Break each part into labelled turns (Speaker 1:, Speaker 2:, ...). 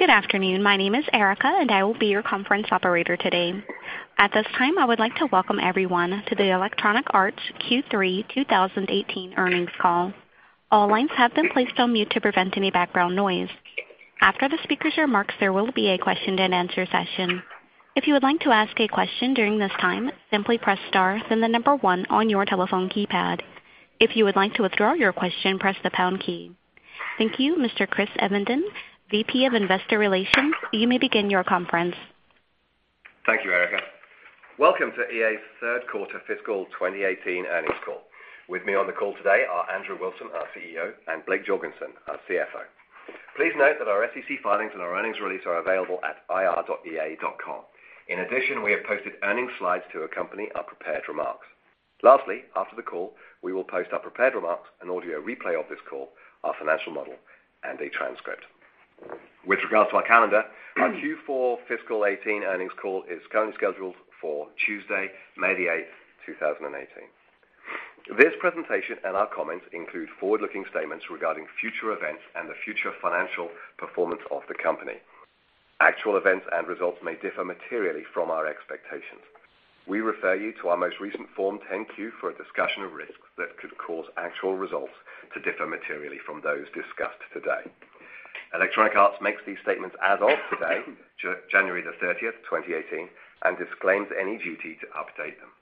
Speaker 1: Good afternoon. My name is Erica, and I will be your conference operator today. At this time, I would like to welcome everyone to the Electronic Arts Q3 2018 earnings call. All lines have been placed on mute to prevent any background noise. After the speaker's remarks, there will be a question and answer session. If you would like to ask a question during this time, simply press star, then 1 on your telephone keypad. If you would like to withdraw your question, press the pound key. Thank you, Mr. Chris Evenden, VP of Investor Relations, you may begin your conference.
Speaker 2: Thank you, Erica. Welcome to EA's third quarter fiscal 2018 earnings call. With me on the call today are Andrew Wilson, our CEO, and Blake Jorgensen, our CFO. Please note that our SEC filings and our earnings release are available at ir.ea.com. In addition, we have posted earnings slides to accompany our prepared remarks. Lastly, after the call, we will post our prepared remarks, an audio replay of this call, our financial model, and a transcript. With regards to our calendar, our Q4 fiscal 2018 earnings call is currently scheduled for Tuesday, May the 8th, 2018. This presentation and our comments include forward-looking statements regarding future events and the future financial performance of the company. Actual events and results may differ materially from our expectations. We refer you to our most recent Form 10-Q for a discussion of risks that could cause actual results to differ materially from those discussed today. Electronic Arts makes these statements as of today, January the 30th, 2018, and disclaims any duty to update them.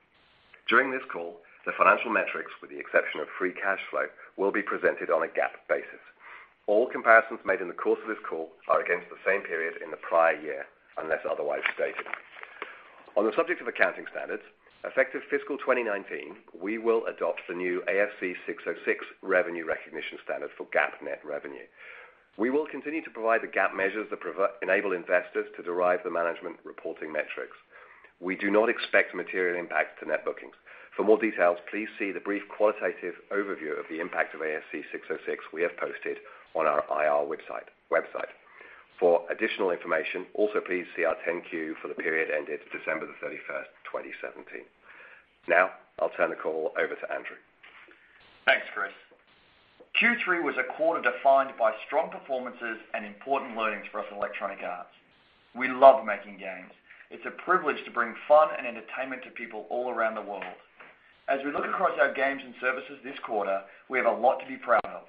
Speaker 2: During this call, the financial metrics, with the exception of free cash flow, will be presented on a GAAP basis. All comparisons made in the course of this call are against the same period in the prior year, unless otherwise stated. On the subject of accounting standards, effective fiscal 2019, we will adopt the new ASC 606 revenue recognition standard for GAAP net revenue. We will continue to provide the GAAP measures that enable investors to derive the management reporting metrics. We do not expect material impact to net bookings. For more details, please see the brief qualitative overview of the impact of ASC 606 we have posted on our IR website. For additional information, also please see our 10-Q for the period ended December the 31st, 2017. Now, I'll turn the call over to Andrew.
Speaker 3: Thanks, Chris. Q3 was a quarter defined by strong performances and important learnings for us at Electronic Arts. We love making games. It's a privilege to bring fun and entertainment to people all around the world. As we look across our games and services this quarter, we have a lot to be proud of.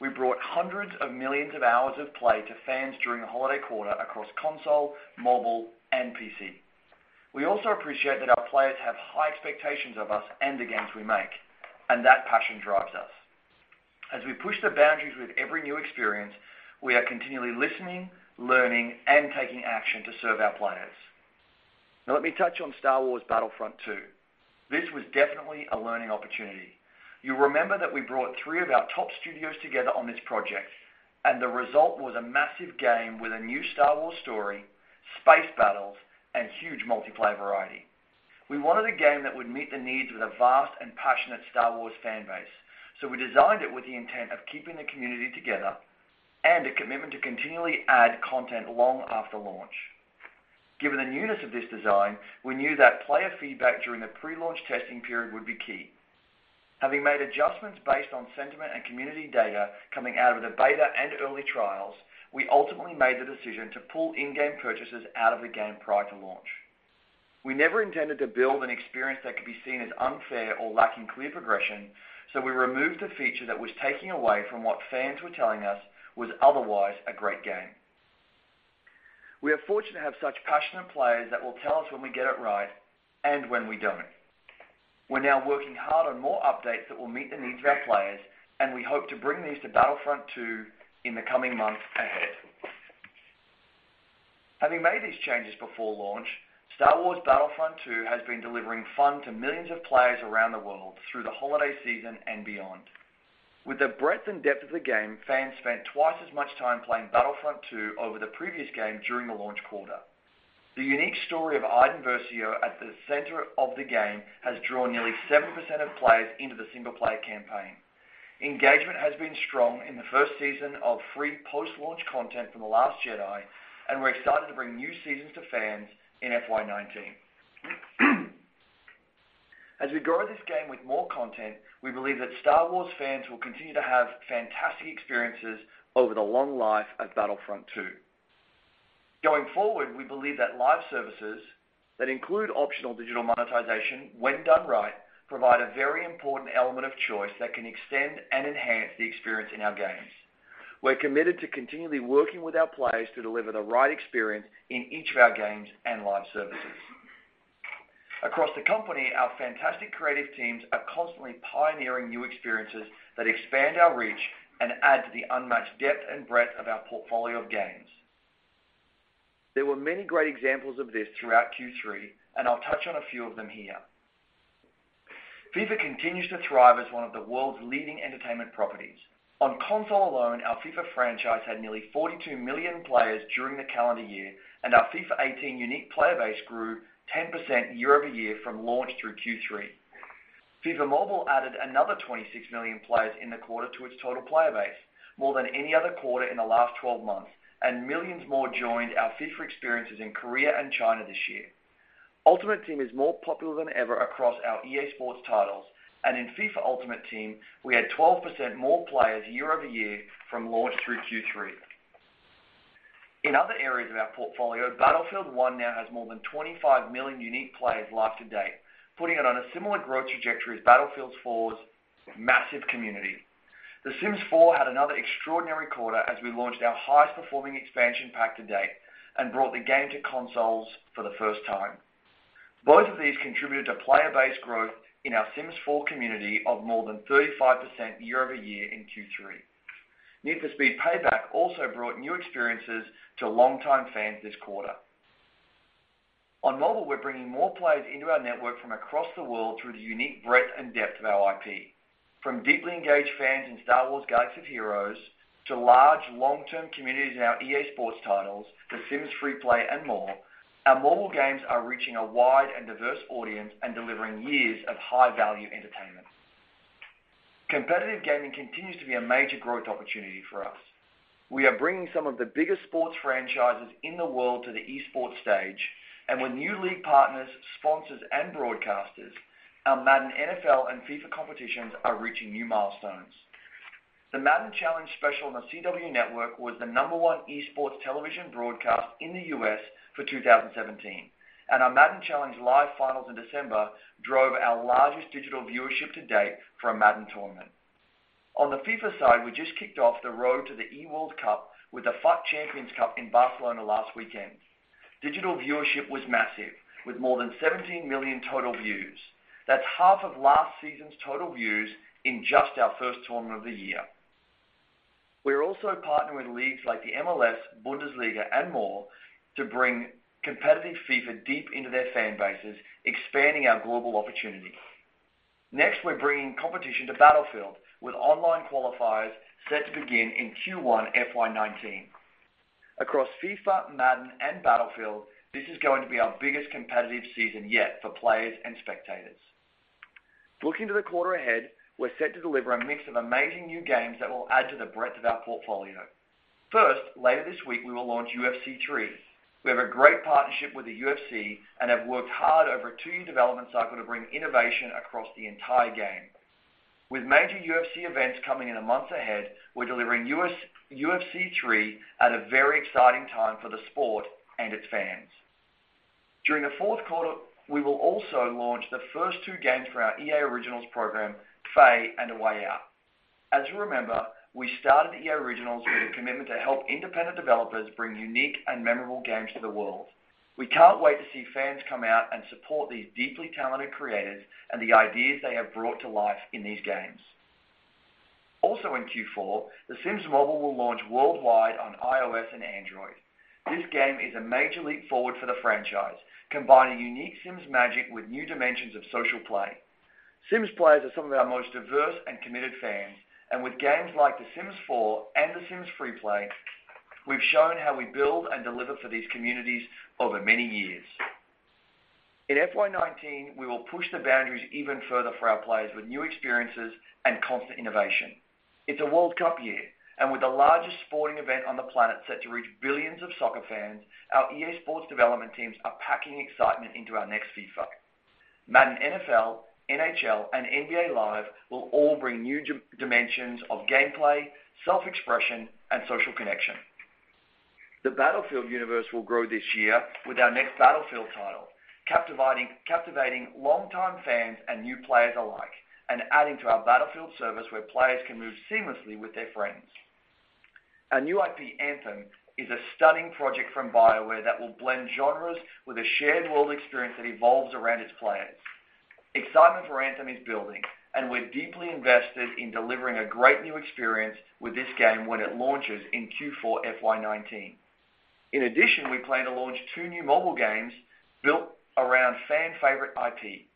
Speaker 3: We brought hundreds of millions of hours of play to fans during the holiday quarter across console, mobile, and PC. We also appreciate that our players have high expectations of us and the games we make, and that passion drives us. As we push the boundaries with every new experience, we are continually listening, learning, and taking action to serve our players. Now let me touch on Star Wars Battlefront II. This was definitely a learning opportunity. You'll remember that we brought three of our top studios together on this project. The result was a massive game with a new Star Wars story, space battles, and huge multiplayer variety. We wanted a game that would meet the needs of the vast and passionate Star Wars fan base. We designed it with the intent of keeping the community together and a commitment to continually add content long after launch. Given the newness of this design, we knew that player feedback during the pre-launch testing period would be key. Having made adjustments based on sentiment and community data coming out of the beta and early trials, we ultimately made the decision to pull in-game purchases out of the game prior to launch. We never intended to build an experience that could be seen as unfair or lacking clear progression. We removed a feature that was taking away from what fans were telling us was otherwise a great game. We are fortunate to have such passionate players that will tell us when we get it right and when we don't. We're now working hard on more updates that will meet the needs of our players. We hope to bring these to Battlefront II in the coming months ahead. Having made these changes before launch, Star Wars Battlefront II has been delivering fun to millions of players around the world through the holiday season and beyond. With the breadth and depth of the game, fans spent twice as much time playing Battlefront II over the previous game during the launch quarter. The unique story of Iden Versio at the center of the game has drawn nearly 7% of players into the single-player campaign. Engagement has been strong in the first season of free post-launch content from The Last Jedi. We're excited to bring new seasons to fans in FY 2019. As we grow this game with more content, we believe that Star Wars fans will continue to have fantastic experiences over the long life of Battlefront II. Going forward, we believe that live services that include optional digital monetization, when done right, provide a very important element of choice that can extend and enhance the experience in our games. We're committed to continually working with our players to deliver the right experience in each of our games and live services. Across the company, our fantastic creative teams are constantly pioneering new experiences that expand our reach and add to the unmatched depth and breadth of our portfolio of games. There were many great examples of this throughout Q3, and I'll touch on a few of them here. FIFA continues to thrive as one of the world's leading entertainment properties. On console alone, our FIFA franchise had nearly 42 million players during the calendar year, and our FIFA 18 unique player base grew 10% year-over-year from launch through Q3. FIFA Mobile added another 26 million players in the quarter to its total player base, more than any other quarter in the last 12 months, and millions more joined our FIFA experiences in Korea and China this year. Ultimate Team is more popular than ever across our EA SPORTS titles. In FIFA Ultimate Team, we had 12% more players year-over-year from launch through Q3. In other areas of our portfolio, Battlefield 1 now has more than 25 million unique players live to date, putting it on a similar growth trajectory as Battlefield 4's massive community. The Sims 4 had another extraordinary quarter as we launched our highest-performing expansion pack to date and brought the game to consoles for the first time. Both of these contributed to player base growth in our Sims 4 community of more than 35% year-over-year in Q3. Need for Speed Payback also brought new experiences to longtime fans this quarter. On mobile, we're bringing more players into our network from across the world through the unique breadth and depth of our IP. From deeply engaged fans in Star Wars: Galaxy of Heroes to large, long-term communities in our EA SPORTS titles, The Sims FreePlay, and more, our mobile games are reaching a wide and diverse audience and delivering years of high-value entertainment. Competitive gaming continues to be a major growth opportunity for us. We are bringing some of the biggest sports franchises in the world to the esports stage. With new league partners, sponsors, and broadcasters, our Madden NFL and FIFA competitions are reaching new milestones. The Madden Challenge special on The CW network was the number 1 esports television broadcast in the U.S. for 2017, and our Madden Challenge live finals in December drove our largest digital viewership to date for a Madden tournament. On the FIFA side, we just kicked off the road to the eWorld Cup with the FUT Champions Cup in Barcelona last weekend. Digital viewership was massive, with more than 17 million total views. That's half of last season's total views in just our first tournament of the year. We are also partnered with leagues like the MLS, Bundesliga, and more to bring competitive FIFA deep into their fan bases, expanding our global opportunity. Next, we're bringing competition to Battlefield, with online qualifiers set to begin in Q1 FY 2019. Across FIFA, Madden, and Battlefield, this is going to be our biggest competitive season yet for players and spectators. Looking to the quarter ahead, we're set to deliver a mix of amazing new games that will add to the breadth of our portfolio. First, later this week, we will launch UFC 3. We have a great partnership with the UFC and have worked hard over a two-year development cycle to bring innovation across the entire game. With major UFC events coming in the months ahead, we're delivering UFC 3 at a very exciting time for the sport and its fans. During the fourth quarter, we will also launch the first two games for our EA Originals program, Fe and A Way Out. As you remember, we started EA Originals with a commitment to help independent developers bring unique and memorable games to the world. We can't wait to see fans come out and support these deeply talented creators and the ideas they have brought to life in these games. Also in Q4, The Sims Mobile will launch worldwide on iOS and Android. This game is a major leap forward for the franchise, combining unique Sims magic with new dimensions of social play. Sims players are some of our most diverse and committed fans, and with games like The Sims 4 and The Sims FreePlay, we've shown how we build and deliver for these communities over many years. In FY 2019, we will push the boundaries even further for our players with new experiences and constant innovation. It's a World Cup year, and with the largest sporting event on the planet set to reach billions of soccer fans, our EA SPORTS development teams are packing excitement into our next FIFA. Madden NFL, NHL, and NBA Live will all bring new dimensions of gameplay, self-expression, and social connection. The Battlefield universe will grow this year with our next Battlefield title, captivating longtime fans and new players alike and adding to our Battlefield service where players can move seamlessly with their friends. Our new IP, Anthem, is a stunning project from BioWare that will blend genres with a shared world experience that evolves around its players. Excitement for Anthem is building, and we're deeply invested in delivering a great new experience with this game when it launches in Q4 FY 2019. In addition, we plan to launch two new mobile games built around fan favorite IP.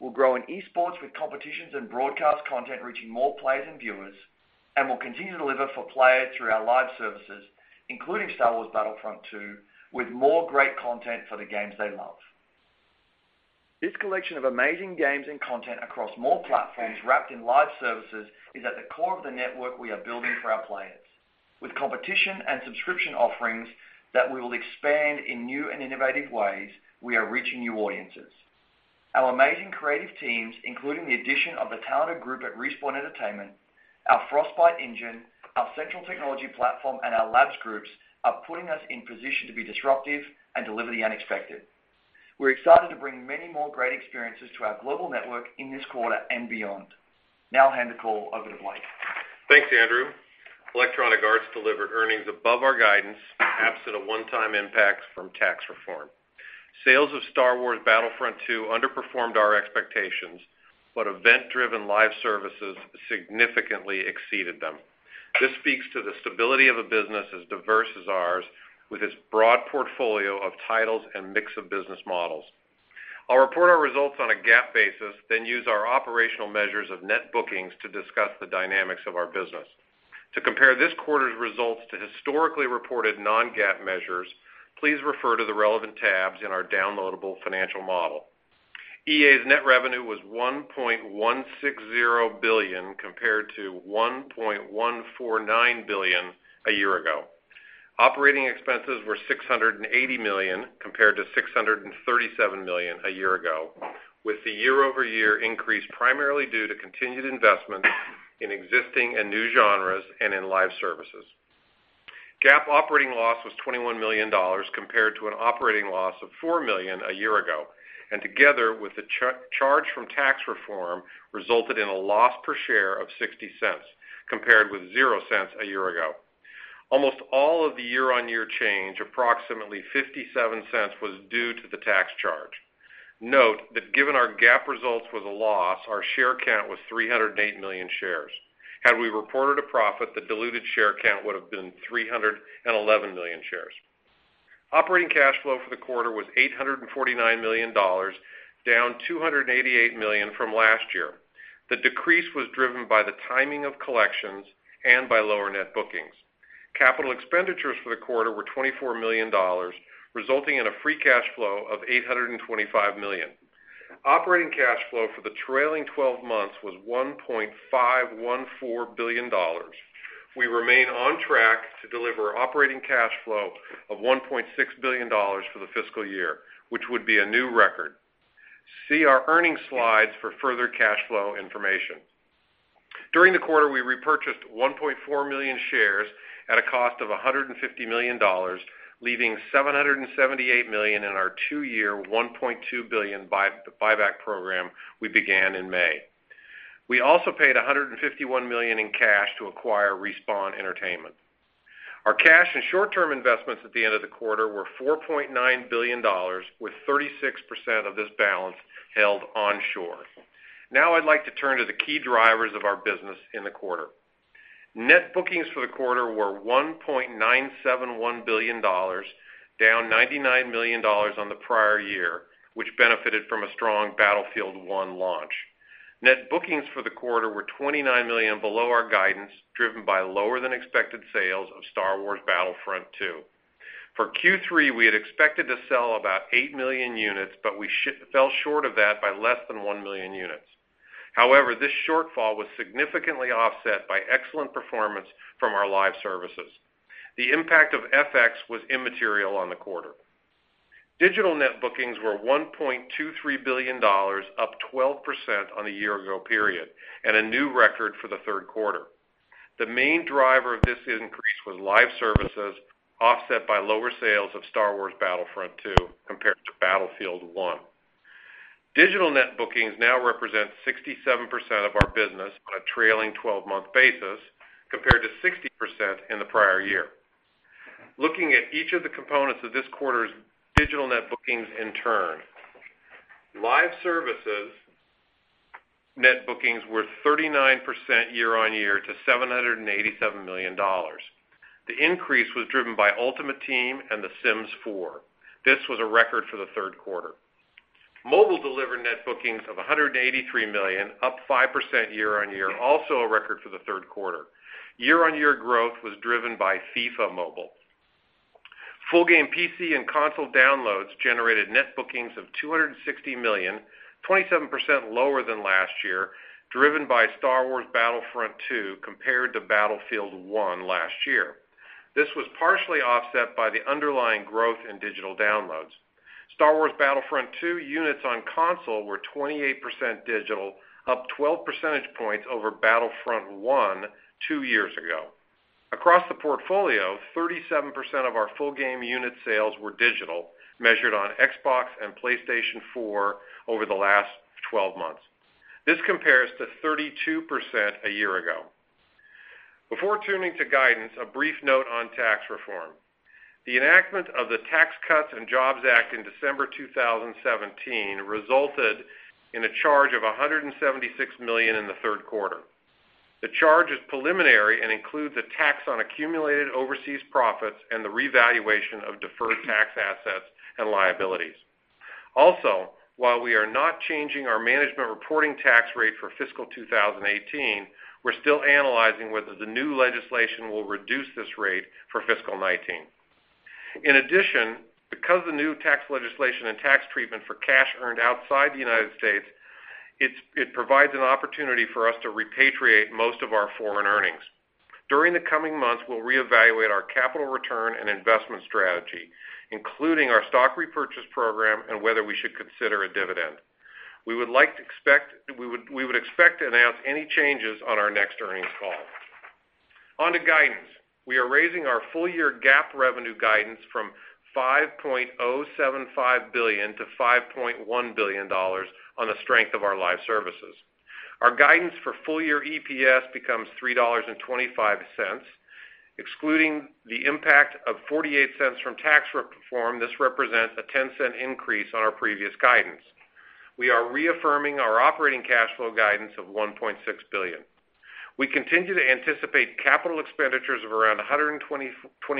Speaker 3: We'll grow in esports with competitions and broadcast content reaching more players and viewers, and we'll continue to deliver for players through our live services, including Star Wars Battlefront II, with more great content for the games they love. This collection of amazing games and content across more platforms wrapped in live services is at the core of the network we are building for our players. With competition and subscription offerings that we will expand in new and innovative ways, we are reaching new audiences. Our amazing creative teams, including the addition of the talented group at Respawn Entertainment, our Frostbite engine, our central technology platform, and our labs groups are putting us in position to be disruptive and deliver the unexpected. We're excited to bring many more great experiences to our global network in this quarter and beyond. I'll hand the call over to Blake.
Speaker 4: Thanks, Andrew. Electronic Arts delivered earnings above our guidance, absent a one-time impact from tax reform. Sales of Star Wars Battlefront II underperformed our expectations, but event-driven live services significantly exceeded them. This speaks to the stability of a business as diverse as ours with its broad portfolio of titles and mix of business models. I'll report our results on a GAAP basis, then use our operational measures of net bookings to discuss the dynamics of our business. To compare this quarter's results to historically reported non-GAAP measures, please refer to the relevant tabs in our downloadable financial model. EA's net revenue was $1.160 billion compared to $1.149 billion a year ago. Operating expenses were $680 million compared to $637 million a year ago, with the year-over-year increase primarily due to continued investments in existing and new genres and in live services. GAAP operating loss was $21 million compared to an operating loss of $4 million a year ago, and together with the charge from tax reform, resulted in a loss per share of $0.60, compared with $0.00 a year ago. Almost all of the year-on-year change, approximately $0.57, was due to the tax charge. Note that given our GAAP results was a loss, our share count was 308 million shares. Had we reported a profit, the diluted share count would have been 311 million shares. Operating cash flow for the quarter was $849 million, down $288 million from last year. The decrease was driven by the timing of collections and by lower net bookings. Capital expenditures for the quarter were $24 million, resulting in a free cash flow of $825 million. Operating cash flow for the trailing 12 months was $1.514 billion. We remain on track to deliver operating cash flow of $1.6 billion for the fiscal year, which would be a new record. See our earnings slides for further cash flow information. During the quarter, we repurchased 1.4 million shares at a cost of $150 million, leaving $778 million in our two-year, $1.2 billion buyback program we began in May. We also paid $151 million in cash to acquire Respawn Entertainment. Our cash and short-term investments at the end of the quarter were $4.9 billion, with 36% of this balance held onshore. I'd like to turn to the key drivers of our business in the quarter. Net bookings for the quarter were $1.971 billion, down $99 million on the prior year, which benefited from a strong Battlefield 1 launch. Net bookings for the quarter were $29 million below our guidance, driven by lower than expected sales of Star Wars Battlefront II. For Q3, we had expected to sell about 8 million units, but we fell short of that by less than 1 million units. This shortfall was significantly offset by excellent performance from our live services. The impact of FX was immaterial on the quarter. Digital net bookings were $1.23 billion, up 12% on a year-ago period, and a new record for the third quarter. The main driver of this increase was live services offset by lower sales of Star Wars Battlefront II compared to Battlefield 1. Digital net bookings now represent 67% of our business on a trailing 12-month basis, compared to 60% in the prior year. Looking at each of the components of this quarter's digital net bookings in turn. Live services net bookings were 39% year-on-year to $787 million. The increase was driven by Ultimate Team and The Sims 4. This was a record for the third quarter. Mobile delivered net bookings of $183 million, up 5% year-on-year, also a record for the third quarter. Year-on-year growth was driven by FIFA Mobile. Full game PC and console downloads generated net bookings of $260 million, 27% lower than last year, driven by Star Wars Battlefront II, compared to Battlefield 1 last year. This was partially offset by the underlying growth in digital downloads. Star Wars Battlefront II units on console were 28% digital, up 12 percentage points over Battlefront 1 two years ago. Across the portfolio, 37% of our full game unit sales were digital, measured on Xbox and PlayStation 4 over the last 12 months. This compares to 32% a year ago. Before turning to guidance, a brief note on tax reform. The enactment of the Tax Cuts and Jobs Act in December 2017 resulted in a charge of $176 million in the third quarter. The charge is preliminary and includes a tax on accumulated overseas profits and the revaluation of deferred tax assets and liabilities. Also, while we are not changing our management reporting tax rate for fiscal 2018, we're still analyzing whether the new legislation will reduce this rate for fiscal 2019. In addition, because the new tax legislation and tax treatment for cash earned outside the United States, it provides an opportunity for us to repatriate most of our foreign earnings. During the coming months, we'll reevaluate our capital return and investment strategy, including our stock repurchase program and whether we should consider a dividend. We would expect to announce any changes on our next earnings call. On to guidance. We are raising our full-year GAAP revenue guidance from $5.075 billion to $5.1 billion on the strength of our live services. Our guidance for full-year EPS becomes $3.25, excluding the impact of $0.48 from tax reform. This represents a $0.10 increase on our previous guidance. We are reaffirming our operating cash flow guidance of $1.6 billion. We continue to anticipate capital expenditures of around $120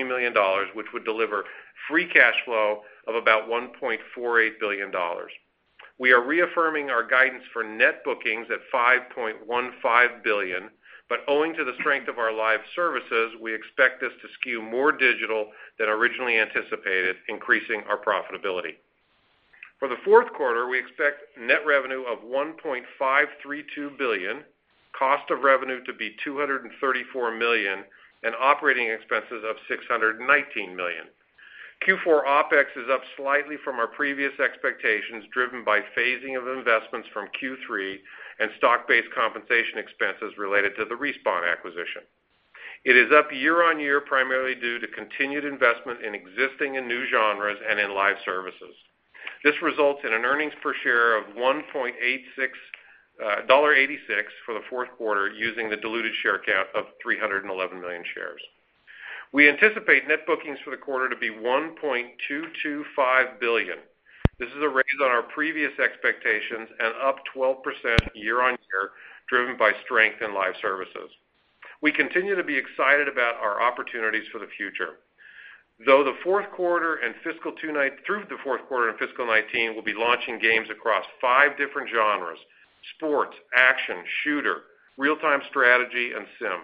Speaker 4: million, which would deliver free cash flow of about $1.48 billion. We are reaffirming our guidance for net bookings at $5.15 billion, owing to the strength of our live services, we expect this to skew more digital than originally anticipated, increasing our profitability. For the fourth quarter, we expect net revenue of $1.532 billion, cost of revenue to be $234 million, and operating expenses of $619 million. Q4 OpEx is up slightly from our previous expectations, driven by phasing of investments from Q3 and stock-based compensation expenses related to the Respawn acquisition. It is up year-on-year primarily due to continued investment in existing and new genres and in live services. This results in an earnings per share of $1.86 for the fourth quarter, using the diluted share count of 311 million shares. We anticipate net bookings for the quarter to be $1.225 billion. This is a raise on our previous expectations and up 12% year-on-year, driven by strength in live services. We continue to be excited about our opportunities for the future. Through the fourth quarter in fiscal 2019, we'll be launching games across five different genres: sports, action, shooter, real-time strategy, and sim.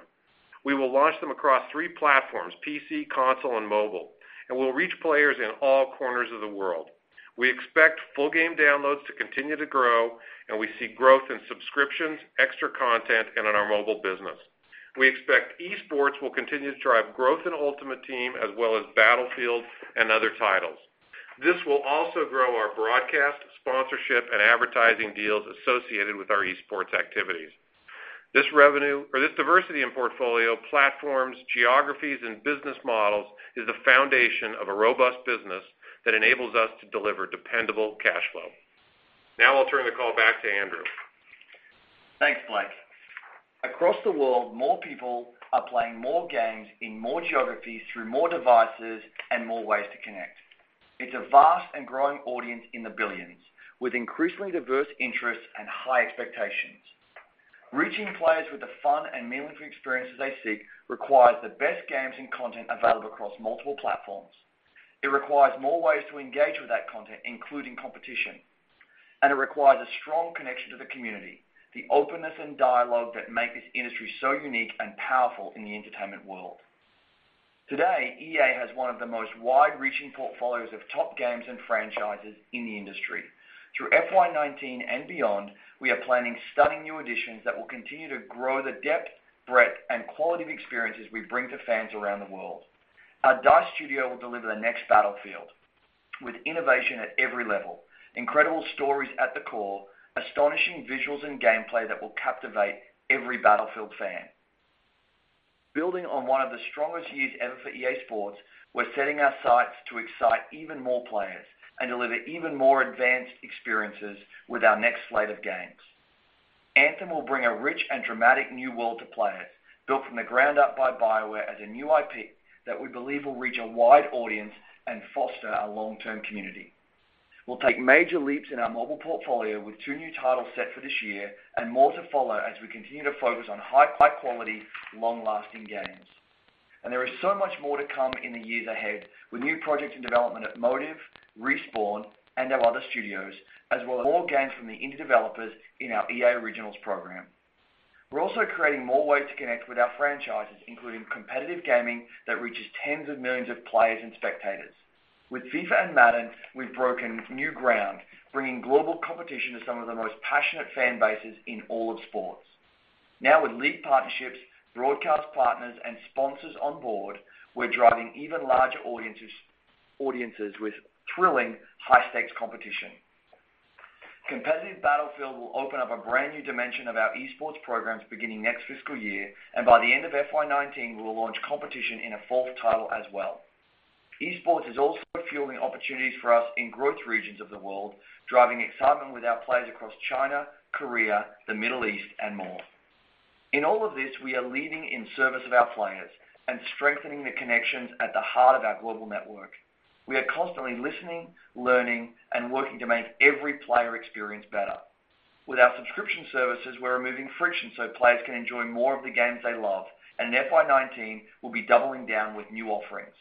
Speaker 4: We will launch them across three platforms: PC, console, and mobile. We'll reach players in all corners of the world. We expect full game downloads to continue to grow. We see growth in subscriptions, extra content, and in our mobile business. We expect esports will continue to drive growth in Ultimate Team as well as Battlefield and other titles. This will also grow our broadcast, sponsorship, and advertising deals associated with our esports activities. This revenue or this diversity in portfolio platforms, geographies, and business models is the foundation of a robust business that enables us to deliver dependable cash flow. Now I'll turn the call back to Andrew.
Speaker 3: Thanks, Blake. Across the world, more people are playing more games in more geographies through more devices and more ways to connect. It's a vast and growing audience in the billions, with increasingly diverse interests and high expectations. Reaching players with the fun and meaningful experiences they seek requires the best games and content available across multiple platforms. It requires more ways to engage with that content, including competition. It requires a strong connection to the community, the openness and dialogue that make this industry so unique and powerful in the entertainment world. Today, EA has one of the most wide-reaching portfolios of top games and franchises in the industry. Through FY 2019 and beyond, we are planning stunning new additions that will continue to grow the depth, breadth, and quality of experiences we bring to fans around the world. Our DICE studio will deliver the next Battlefield with innovation at every level, incredible stories at the core, astonishing visuals and gameplay that will captivate every Battlefield fan. Building on one of the strongest years ever for EA SPORTS, we're setting our sights to excite even more players and deliver even more advanced experiences with our next slate of games. Anthem will bring a rich and dramatic new world to players, built from the ground up by BioWare as a new IP that we believe will reach a wide audience and foster a long-term community. We'll take major leaps in our mobile portfolio with two new titles set for this year and more to follow as we continue to focus on high quality, long-lasting games. There is so much more to come in the years ahead with new projects in development at Motive, Respawn, and our other studios, as well as more games from the indie developers in our EA Originals program. We're also creating more ways to connect with our franchises, including competitive gaming that reaches tens of millions of players and spectators. With FIFA and Madden, we've broken new ground, bringing global competition to some of the most passionate fan bases in all of sports. Now with league partnerships, broadcast partners, and sponsors on board, we're driving even larger audiences with thrilling high-stakes competition. Competitive Battlefield will open up a brand-new dimension of our esports programs beginning next fiscal year. By the end of FY 2019, we will launch competition in a fourth title as well. Esports is also fueling opportunities for us in growth regions of the world, driving excitement with our players across China, Korea, the Middle East, and more. In all of this, we are leading in service of our players and strengthening the connections at the heart of our global network. We are constantly listening, learning, and working to make every player experience better. With our subscription services, we're removing friction so players can enjoy more of the games they love. In FY 2019, we'll be doubling down with new offerings.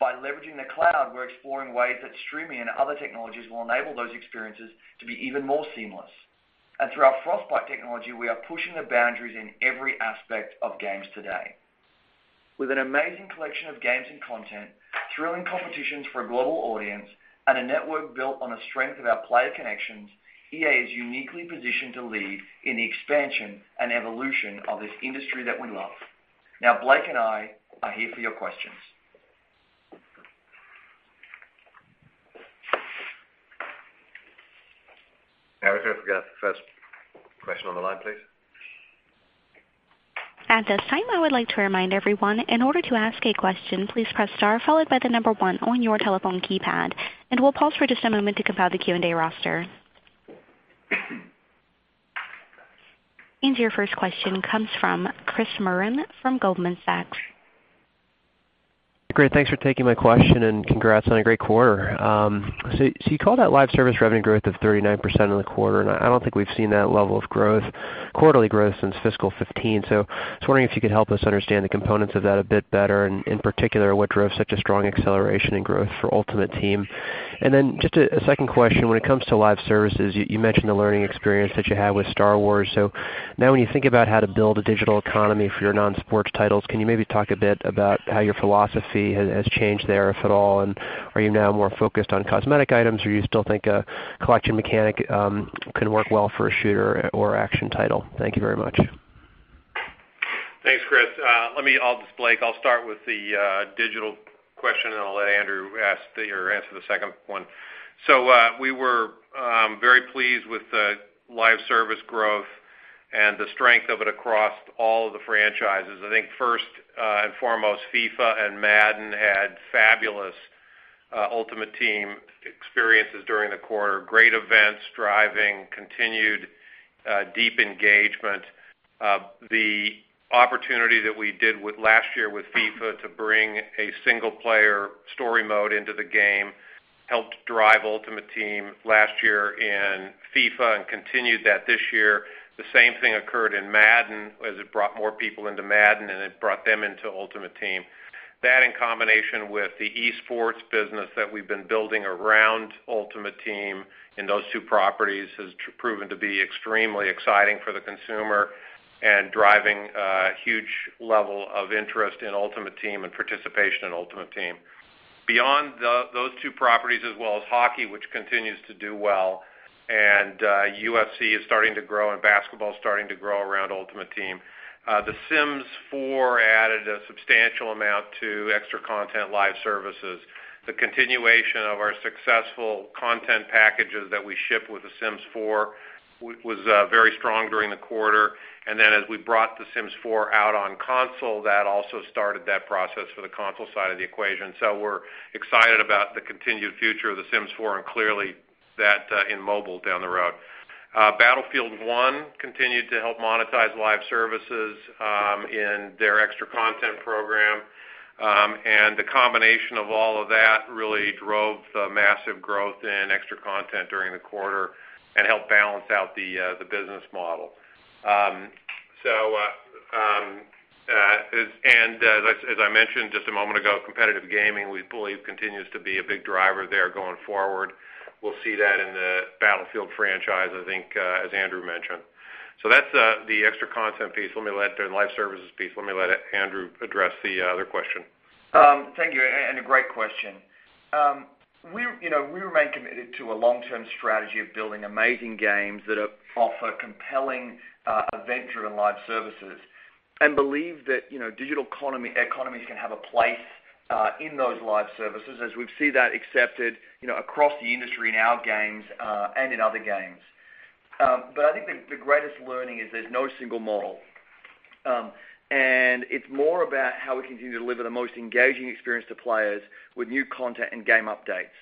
Speaker 3: By leveraging the cloud, we're exploring ways that streaming and other technologies will enable those experiences to be even more seamless. Through our Frostbite technology, we are pushing the boundaries in every aspect of games today. With an amazing collection of games and content, thrilling competitions for a global audience, and a network built on the strength of our player connections, EA is uniquely positioned to lead in the expansion and evolution of this industry that we love. Now Blake and I are here for your questions.
Speaker 4: Operator, can I have the first question on the line, please?
Speaker 1: At this time, I would like to remind everyone, in order to ask a question, please press star followed by the number 1 on your telephone keypad, and we'll pause for just a moment to compile the Q&A roster. Your first question comes from Chris Merwin from Goldman Sachs.
Speaker 5: Great. Thanks for taking my question, congrats on a great quarter. You call that live service revenue growth of 39% in the quarter, I don't think we've seen that level of growth, quarterly growth since fiscal 2015. I was wondering if you could help us understand the components of that a bit better, in particular, what drove such a strong acceleration in growth for Ultimate Team? Just a second question, when it comes to live services, you mentioned the learning experience that you had with Star Wars. Now when you think about how to build a digital economy for your non-sports titles, can you maybe talk a bit about how your philosophy has changed there, if at all? Are you now more focused on cosmetic items, or you still think a collection mechanic can work well for a shooter or action title? Thank you very much.
Speaker 4: Thanks, Chris. Blake, I'll start with the digital question, and I'll let Andrew answer the second one. We were very pleased with the live service growth and the strength of it across all of the franchises. I think first and foremost, FIFA and Madden had fabulous Ultimate Team experiences during the quarter. Great events driving continued deep engagement. The opportunity that we did last year with FIFA to bring a single-player story mode into the game helped drive Ultimate Team last year in FIFA and continued that this year. The same thing occurred in Madden, as it brought more people into Madden, and it brought them into Ultimate Team. That in combination with the esports business that we've been building around Ultimate Team in those two properties has proven to be extremely exciting for the consumer and driving a huge level of interest in Ultimate Team and participation in Ultimate Team. Beyond those two properties, as well as hockey, which continues to do well, and UFC is starting to grow, and basketball is starting to grow around Ultimate Team. The Sims 4 added a substantial amount to extra content live services. The continuation of our successful content packages that we ship with The Sims 4 was very strong during the quarter. As we brought The Sims 4 out on console, that also started that process for the console side of the equation. We're excited about the continued future of The Sims 4, and clearly that in mobile down the road. Battlefield 1 continued to help monetize live services in their extra content program. The combination of all of that really drove the massive growth in extra content during the quarter and helped balance out the business model. As I mentioned just a moment ago, competitive gaming, we believe, continues to be a big driver there going forward. We'll see that in the Battlefield franchise, I think, as Andrew mentioned. That's the extra content piece. Let me let their live services piece. Let me let Andrew address the other question.
Speaker 3: Thank you, a great question. We remain committed to a long-term strategy of building amazing games that offer compelling adventure and live services and believe that digital economies can have a place in those live services as we see that accepted across the industry in our games and in other games. I think the greatest learning is there's no single model. It's more about how we continue to deliver the most engaging experience to players with new content and game updates.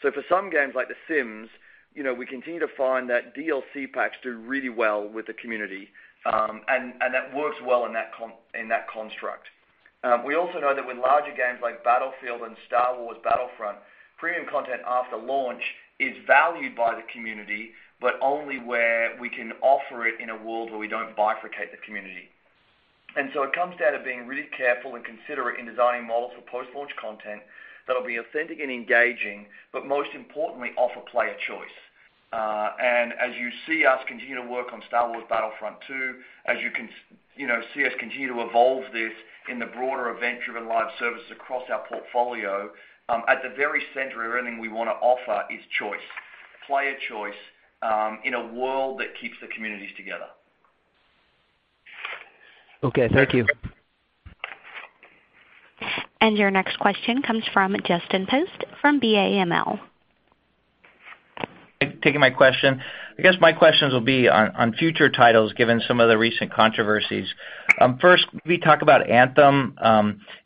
Speaker 3: For some games like The Sims, we continue to find that DLC packs do really well with the community, and that works well in that construct. We also know that with larger games like Battlefield and Star Wars Battlefront, premium content after launch is valued by the community, but only where we can offer it in a world where we don't bifurcate the community. It comes down to being really careful and considerate in designing models for post-launch content that will be authentic and engaging, but most importantly, offer player choice. As you see us continue to work on Star Wars Battlefront II, as you see us continue to evolve this in the broader event-driven live services across our portfolio, at the very center of everything we want to offer is choice, player choice, in a world that keeps the communities together.
Speaker 4: Okay, thank you.
Speaker 1: Your next question comes from Justin Post from BAML.
Speaker 6: Thanks for taking my question. I guess my questions will be on future titles given some of the recent controversies. First, can we talk about Anthem?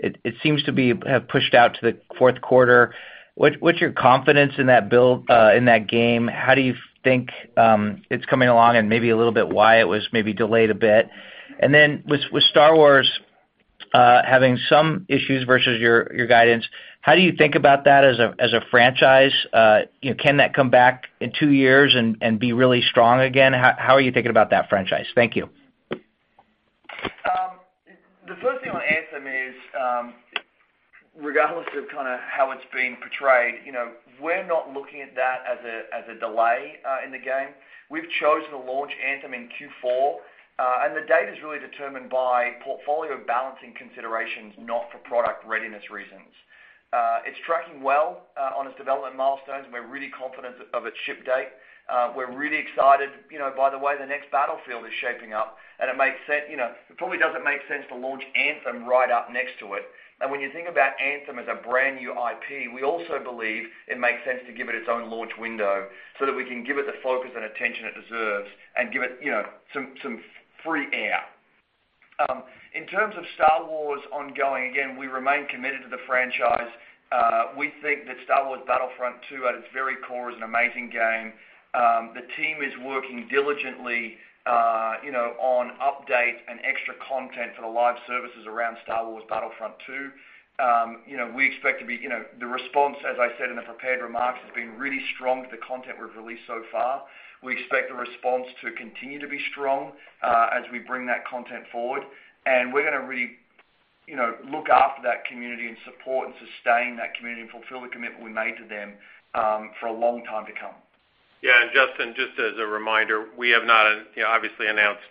Speaker 6: It seems to have pushed out to the fourth quarter. What's your confidence in that build in that game? How do you think it's coming along, and maybe a little bit why it was maybe delayed a bit? Then with Star Wars having some issues versus your guidance, how do you think about that as a franchise? Can that come back in two years and be really strong again? How are you thinking about that franchise? Thank you.
Speaker 3: The first thing on Anthem is, regardless of kind of how it's being portrayed, we're not looking at that as a delay in the game. We've chosen to launch Anthem in Q4, the date is really determined by portfolio balancing considerations, not for product readiness reasons. It's tracking well on its development milestones. We're really confident of its ship date. We're really excited by the way the next Battlefield is shaping up, it probably doesn't make sense to launch Anthem right up next to it. When you think about Anthem as a brand-new IP, we also believe it makes sense to give it its own launch window so that we can give it the focus and attention it deserves and give it some free air. In terms of Star Wars ongoing, again, we remain committed to the franchise. We think that Star Wars Battlefront II at its very core is an amazing game. The team is working diligently on updates and extra content for the live services around Star Wars Battlefront II. The response, as I said in the prepared remarks, has been really strong to the content we've released so far. We expect the response to continue to be strong as we bring that content forward. We're going to really look after that community and support and sustain that community and fulfill the commitment we made to them for a long time to come.
Speaker 4: Justin, just as a reminder, we have not obviously announced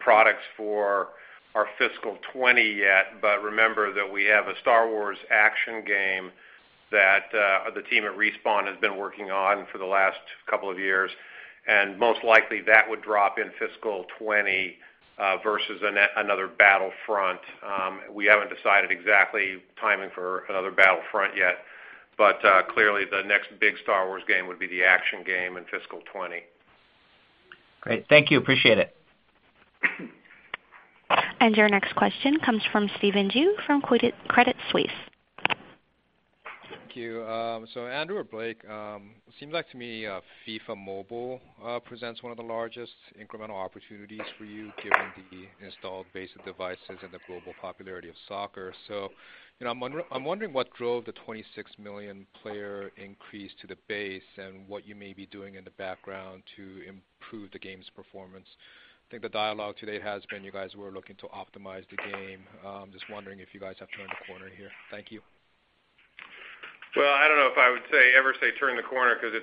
Speaker 4: products for our fiscal 2020 yet. Remember that we have a Star Wars action game that the team at Respawn has been working on for the last couple of years. Most likely that would drop in fiscal 2020 versus another Battlefront. We haven't decided exactly timing for another Battlefront yet. Clearly the next big Star Wars game would be the action game in fiscal 2020.
Speaker 6: Great. Thank you. Appreciate it.
Speaker 1: Your next question comes from Stephen Ju from Credit Suisse.
Speaker 7: Thank you. Andrew or Blake, it seems like to me FIFA Mobile presents one of the largest incremental opportunities for you given the installed base of devices and the global popularity of soccer. I'm wondering what drove the 26 million player increase to the base and what you may be doing in the background to improve the game's performance. I think the dialogue today has been you guys were looking to optimize the game. I'm just wondering if you guys have turned a corner here. Thank you.
Speaker 4: I don't know if I would ever say turn the corner because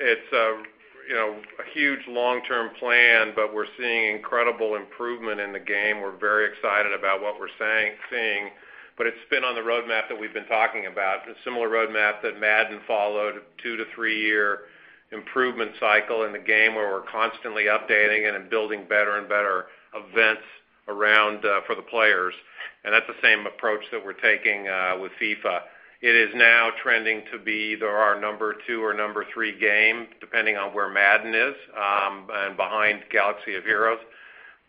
Speaker 4: it's a huge long-term plan, but we're seeing incredible improvement in the game. We're very excited about what we're seeing. It's been on the roadmap that we've been talking about. The similar roadmap that Madden followed, a two to three-year improvement cycle in the game where we're constantly updating it and building better and better events around for the players. That's the same approach that we're taking with FIFA. It is now trending to be either our number 2 or number 3 game, depending on where Madden is, and behind Galaxy of Heroes.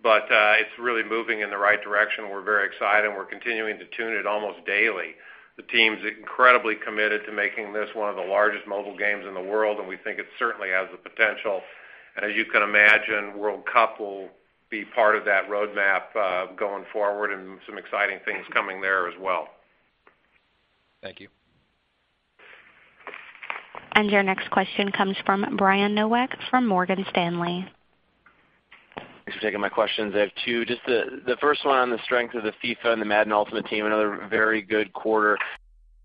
Speaker 4: It's really moving in the right direction. We're very excited and we're continuing to tune it almost daily. The team's incredibly committed to making this one of the largest mobile games in the world, we think it certainly has the potential. As you can imagine, World Cup will be part of that roadmap going forward and some exciting things coming there as well.
Speaker 7: Thank you.
Speaker 1: Your next question comes from Brian Nowak from Morgan Stanley.
Speaker 8: Thanks for taking my questions. I have two. Just the first one on the strength of the FIFA and the Madden Ultimate Team, another very good quarter.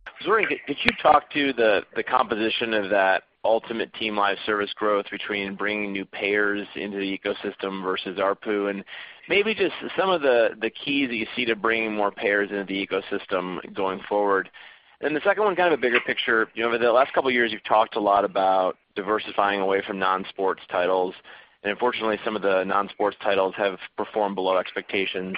Speaker 8: I was wondering, could you talk to the composition of that Ultimate Team live service growth between bringing new payers into the ecosystem versus ARPU, and maybe just some of the keys that you see to bringing more payers into the ecosystem going forward. The second one, kind of a bigger picture. Over the last couple of years, you've talked a lot about diversifying away from non-sports titles, and unfortunately, some of the non-sports titles have performed below expectations.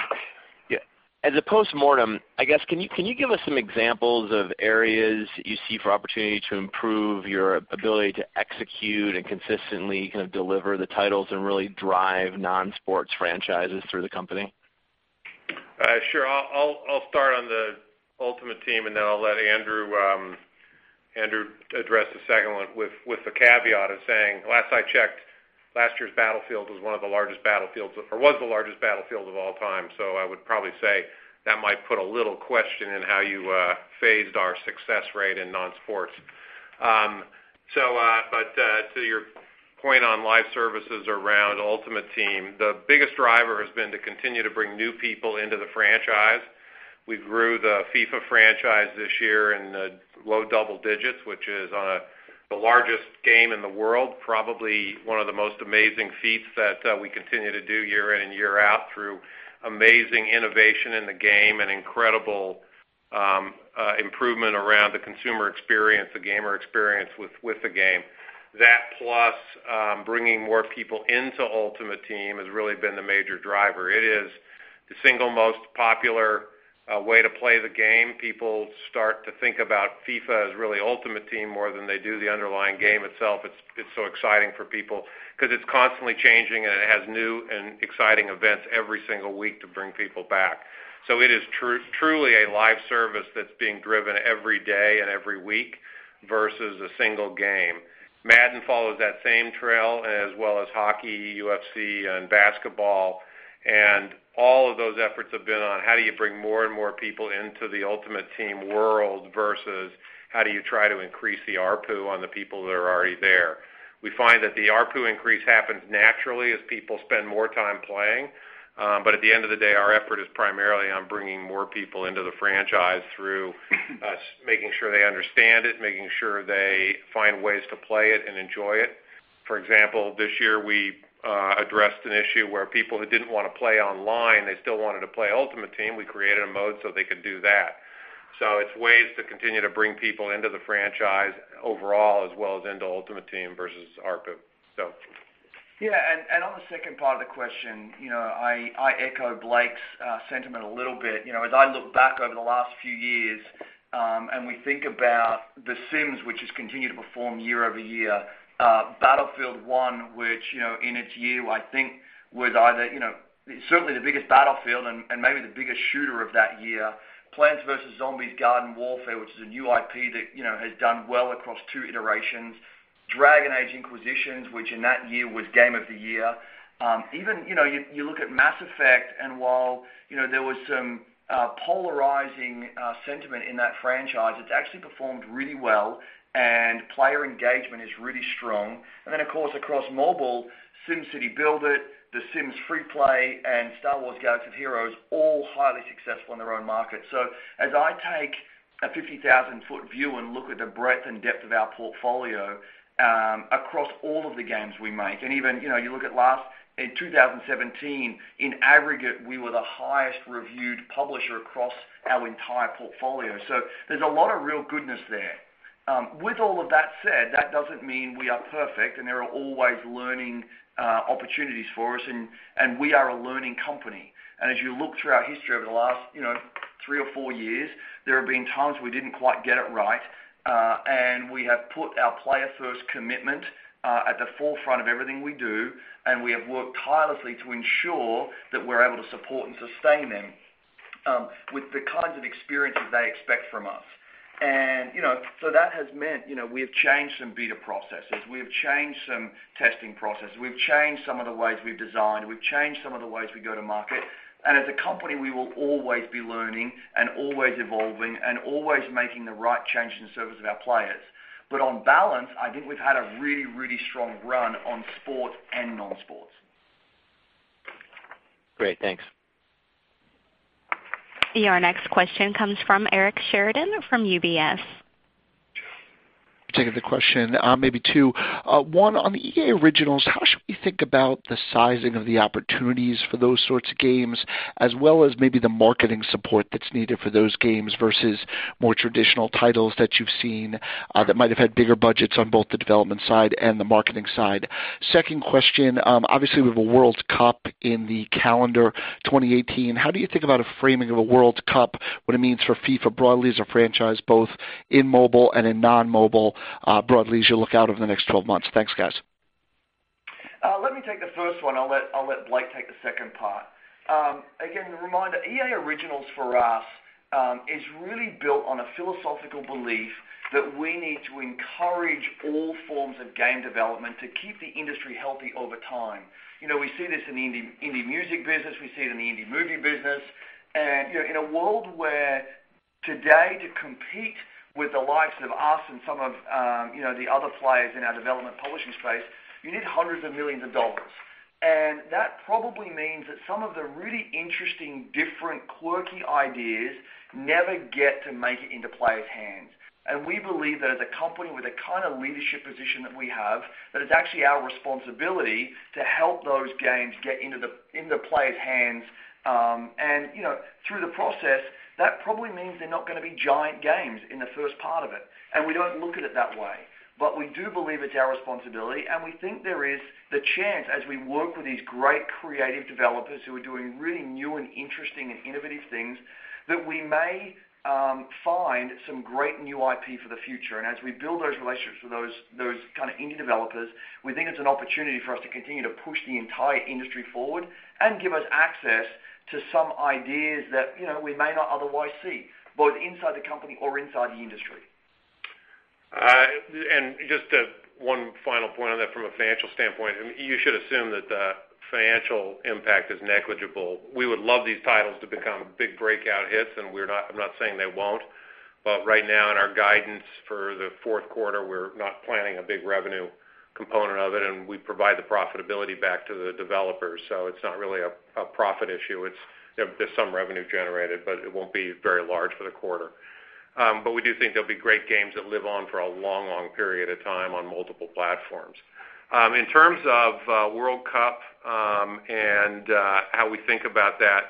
Speaker 8: As a postmortem, I guess, can you give us some examples of areas that you see for opportunity to improve your ability to execute and consistently kind of deliver the titles and really drive non-sports franchises through the company?
Speaker 4: Sure. I'll start on the Ultimate Team and then I'll let Andrew address the second one with the caveat of saying, last I checked, last year's Battlefield was one of the largest Battlefields or was the largest Battlefield of all time. I would probably say that might put a little question in how you phased our success rate in non-sports. To your point on live services around Ultimate Team, the biggest driver has been to continue to bring new people into the franchise. We grew the FIFA franchise this year in the low double digits, which is the largest game in the world. Probably one of the most amazing feats that we continue to do year in and year out through amazing innovation in the game and incredible improvement around the consumer experience, the gamer experience with the game. That plus bringing more people into Ultimate Team has really been the major driver. It is the single most popular way to play the game. People start to think about FIFA as really Ultimate Team more than they do the underlying game itself. It's so exciting for people because it's constantly changing and it has new and exciting events every single week to bring people back. It is truly a live service that's being driven every day and every week versus a single game. Madden follows that same trail as well as hockey, UFC, and basketball. All of those efforts have been on how do you bring more and more people into the Ultimate Team world versus how do you try to increase the ARPU on the people that are already there. We find that the ARPU increase happens naturally as people spend more time playing. At the end of the day, our effort is primarily on bringing more people into the franchise through us making sure they understand it, making sure they find ways to play it and enjoy it. For example, this year we addressed an issue where people who didn't want to play online, they still wanted to play Ultimate Team. We created a mode so they could do that. It's ways to continue to bring people into the franchise overall as well as into Ultimate Team versus ARPU.
Speaker 3: Yeah, on the second part of the question, I echo Blake's sentiment a little bit. As I look back over the last few years, we think about The Sims, which has continued to perform year-over-year. Battlefield 1, which in its year, I think was either certainly the biggest Battlefield and maybe the biggest shooter of that year. Plants vs. Zombies Garden Warfare, which is a new IP that has done well across two iterations. Dragon Age: Inquisition, which in that year was Game of the Year. Even, you look at Mass Effect, while there was some polarizing sentiment in that franchise, it's actually performed really well, and player engagement is really strong. Of course across mobile, SimCity BuildIt, The Sims FreePlay, and Star Wars: Galaxy of Heroes, all highly successful in their own markets. As I take a 50,000-foot view and look at the breadth and depth of our portfolio across all of the games we make, you look at last, in 2017, in aggregate, we were the highest-reviewed publisher across our entire portfolio. There's a lot of real goodness there. With all of that said, that doesn't mean we are perfect, there are always learning opportunities for us, we are a learning company. As you look through our history over the last three or four years, there have been times we didn't quite get it right. We have put our player-first commitment at the forefront of everything we do, we have worked tirelessly to ensure that we're able to support and sustain them with the kinds of experiences they expect from us. That has meant, we have changed some beta processes. We have changed some testing processes. We've changed some of the ways we've designed. We've changed some of the ways we go to market. As a company, we will always be learning and always evolving and always making the right changes in service of our players. On balance, I think we've had a really, really strong run on sports and non-sports.
Speaker 8: Great. Thanks.
Speaker 1: Your next question comes from Eric Sheridan from UBS.
Speaker 9: Taking the question, maybe two. One, on the EA Originals, how should we think about the sizing of the opportunities for those sorts of games, as well as maybe the marketing support that's needed for those games versus more traditional titles that you've seen that might have had bigger budgets on both the development side and the marketing side? Second question, obviously, we have a World Cup in the calendar 2018. How do you think about a framing of a World Cup, what it means for FIFA broadly as a franchise, both in mobile and in non-mobile, broadly as you look out over the next 12 months? Thanks, guys.
Speaker 3: Let me take the first one. I'll let Blake take the second part. A reminder, EA Originals for us is really built on a philosophical belief that we need to encourage all forms of game development to keep the industry healthy over time. We see this in the indie music business. We see it in the indie movie business. In a world where today to compete with the likes of us and some of the other players in our development publishing space, you need hundreds of millions of dollars. That probably means that some of the really interesting, different, quirky ideas never get to make it into players' hands. We believe that as a company with the kind of leadership position that we have, that it's actually our responsibility to help those games get into players' hands. Through the process, that probably means they're not going to be giant games in the first part of it. We don't look at it that way. We do believe it's our responsibility, and we think there is the chance, as we work with these great creative developers who are doing really new and interesting and innovative things, that we may find some great new IP for the future. As we build those relationships with those kind of indie developers, we think it's an opportunity for us to continue to push the entire industry forward and give us access to some ideas that we may not otherwise see, both inside the company or inside the industry.
Speaker 4: Just one final point on that from a financial standpoint. You should assume that the financial impact is negligible. We would love these titles to become big breakout hits, and I'm not saying they won't. Right now in our guidance for the fourth quarter, we're not planning a big revenue component of it, and we provide the profitability back to the developers. It's not really a profit issue. There's some revenue generated, but it won't be very large for the quarter. We do think there'll be great games that live on for a long, long period of time on multiple platforms. In terms of World Cup, and how we think about that,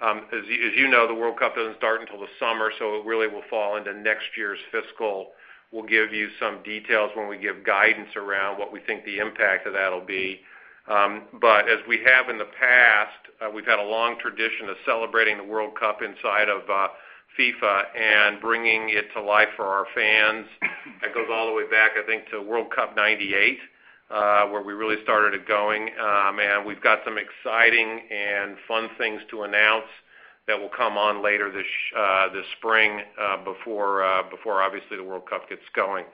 Speaker 4: as you know, the World Cup doesn't start until the summer, it really will fall into next year's fiscal. We'll give you some details when we give guidance around what we think the impact of that'll be. As we have in the past, we've had a long tradition of celebrating the World Cup inside of FIFA and bringing it to life for our fans. That goes all the way back, I think, to World Cup 98, where we really started it going. We've got some exciting and fun things to announce that will come on later this spring before obviously the World Cup gets going.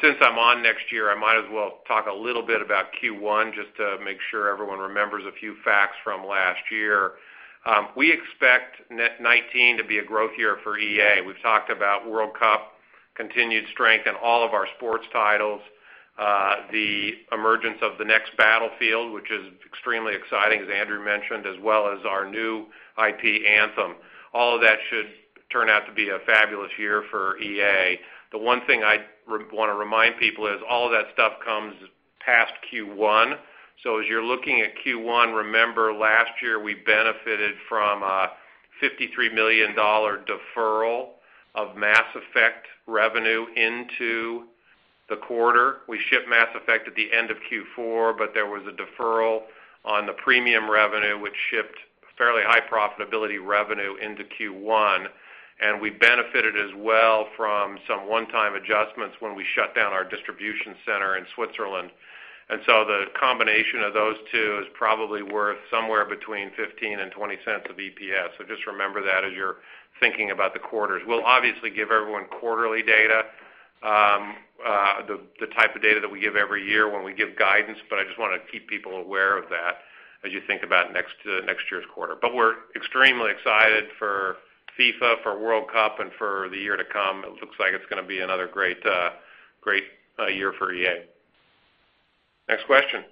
Speaker 4: Since I'm on next year, I might as well talk a little bit about Q1 just to make sure everyone remembers a few facts from last year. We expect net '19 to be a growth year for EA. We've talked about World Cup, continued strength in all of our sports titles, the emergence of the next Battlefield, which is extremely exciting, as Andrew mentioned, as well as our new IP, Anthem. All of that should turn out to be a fabulous year for EA. The one thing I want to remind people is all of that stuff comes past Q1. As you're looking at Q1, remember last year we benefited from a $53 million deferral of Mass Effect revenue into the quarter. We shipped Mass Effect at the end of Q4, but there was a deferral on the premium revenue, which shipped fairly high profitability revenue into Q1. We benefited as well from some one-time adjustments when we shut down our distribution center in Switzerland. The combination of those two is probably worth somewhere between $0.15-$0.20 of EPS. Just remember that as you're thinking about the quarters. We'll obviously give everyone quarterly data, the type of data that we give every year when we give guidance, but I just want to keep people aware of that as you think about next year's quarter. We're extremely excited for FIFA, for World Cup, and for the year to come. It looks like it's going to be another great year for EA. Next question.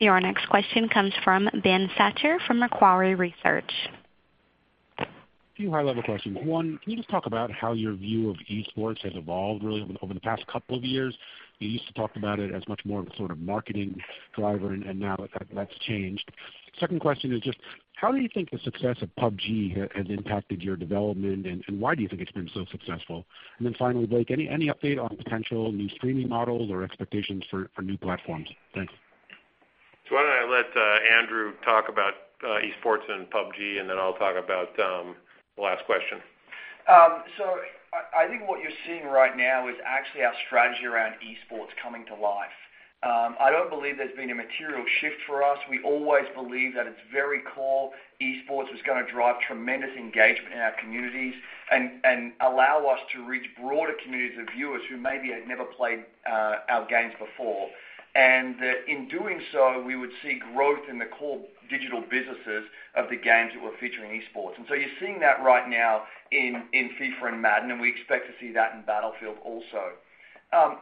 Speaker 1: Your next question comes from Ben Schachter from Macquarie Research.
Speaker 10: A few high-level questions. One, can you just talk about how your view of esports has evolved really over the past couple of years? You used to talk about it as much more of a sort of marketing driver, now that's changed. Second question is just how do you think the success of PUBG has impacted your development, and why do you think it's been so successful? Finally, Blake, any update on potential new streaming models or expectations for new platforms? Thanks.
Speaker 4: Why don't I let Andrew talk about esports and PUBG, I'll talk about the last question.
Speaker 3: I think what you're seeing right now is actually our strategy around esports coming to life. I don't believe there's been a material shift for us. We always believe that it's very core. Esports is going to drive tremendous engagement in our communities and allow us to reach broader communities of viewers who maybe had never played our games before. In doing so, we would see growth in the core digital businesses of the games that we're featuring in esports. You're seeing that right now in FIFA and Madden, we expect to see that in Battlefield also.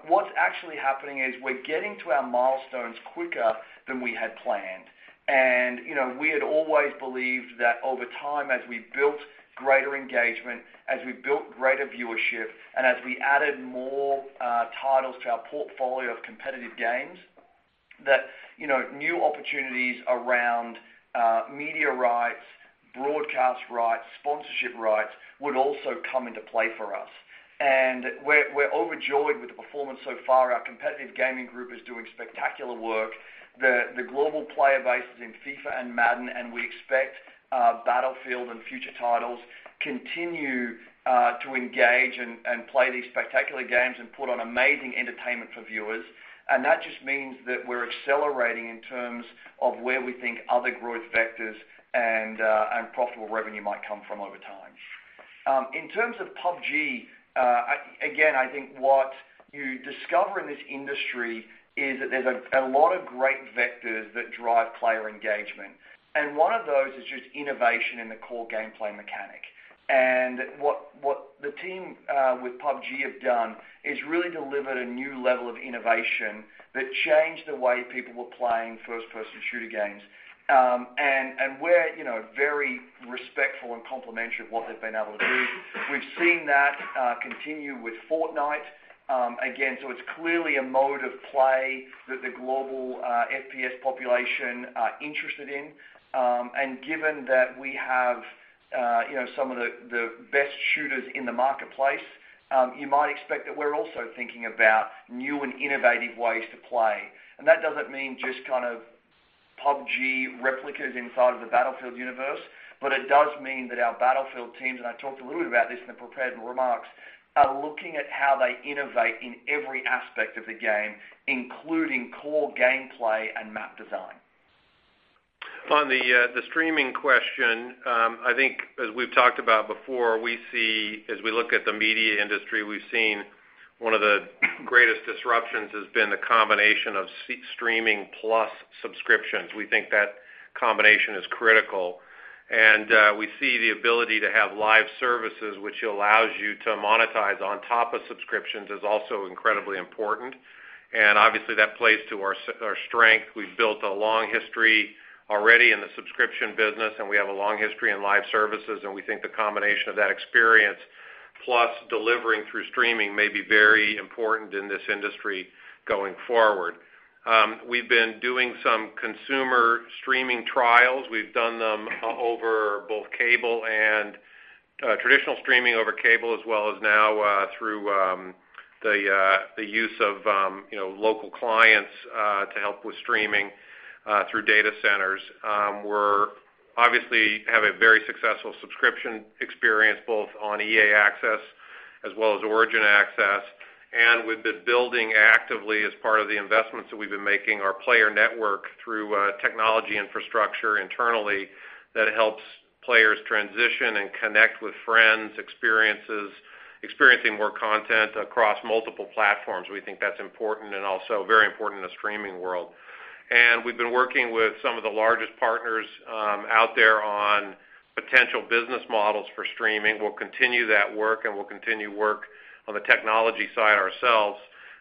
Speaker 3: What's actually happening is we're getting to our milestones quicker than we had planned. We had always believed that over time, as we built greater engagement, as we built greater viewership, and as we added more titles to our portfolio of competitive games, that new opportunities around media rights, broadcast rights, sponsorship rights would also come into play for us. We're overjoyed with the performance so far. Our competitive gaming group is doing spectacular work. The global player bases in FIFA and Madden, and we expect Battlefield and future titles continue to engage and play these spectacular games and put on amazing entertainment for viewers. That just means that we're accelerating in terms of where we think other growth vectors and profitable revenue might come from over time. In terms of PUBG, again, I think what you discover in this industry is that there's a lot of great vectors that drive player engagement. One of those is just innovation in the core gameplay mechanic. What the team with PUBG have done is really delivered a new level of innovation that changed the way people were playing first-person shooter games. We're very respectful and complimentary of what they've been able to do. We've seen that continue with Fortnite. It's clearly a mode of play that the global FPS population are interested in. Given that we have some of the best shooters in the marketplace, you might expect that we're also thinking about new and innovative ways to play. That doesn't mean just kind of PUBG replicas inside of the Battlefield universe, but it does mean that our Battlefield teams, and I talked a little bit about this in the prepared remarks, are looking at how they innovate in every aspect of the game, including core gameplay and map design.
Speaker 4: On the streaming question, I think as we've talked about before, as we look at the media industry, we've seen one of the greatest disruptions has been the combination of streaming plus subscriptions. We think that combination is critical, we see the ability to have live services which allows you to monetize on top of subscriptions is also incredibly important. Obviously that plays to our strength. We've built a long history already in the subscription business, we have a long history in live services, we think the combination of that experience plus delivering through streaming may be very important in this industry going forward. We've been doing some consumer streaming trials. We've done them over both cable and traditional streaming over cable as well as now through the use of local clients to help with streaming through data centers. We obviously have a very successful subscription experience, both on EA Access as well as Origin Access. We've been building actively as part of the investments that we've been making our player network through a technology infrastructure internally that helps players transition and connect with friends, experiencing more content across multiple platforms. We think that's important and also very important in the streaming world. We've been working with some of the largest partners out there on potential business models for streaming. We'll continue that work, and we'll continue work on the technology side ourselves.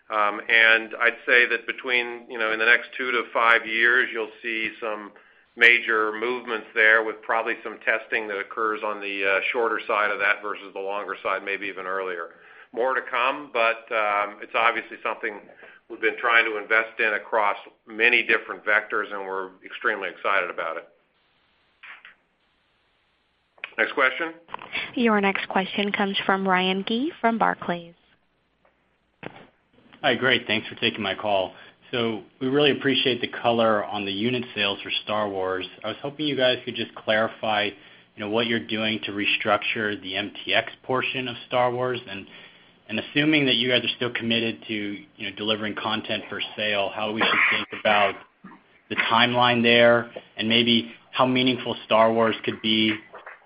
Speaker 4: I'd say that between in the next two to five years, you'll see some major movements there with probably some testing that occurs on the shorter side of that versus the longer side, maybe even earlier. More to come. It's obviously something we've been trying to invest in across many different vectors. We're extremely excited about it. Next question.
Speaker 1: Your next question comes from Ryan Gee from Barclays.
Speaker 11: Hi. Great. Thanks for taking my call. We really appreciate the color on the unit sales for Star Wars. I was hoping you guys could just clarify what you're doing to restructure the MTX portion of Star Wars. Assuming that you guys are still committed to delivering content for sale, how we should think about the timeline there, and maybe how meaningful Star Wars could be,